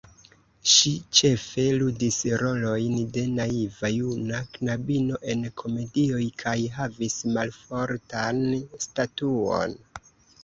Ŝi ĉefe ludis rolojn de naiva juna knabino en komedioj kaj havis malfortan statuon.